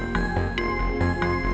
sekarang di mana